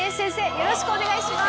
よろしくお願いします。